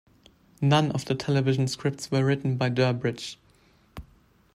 None of the television scripts were written by Durbridge.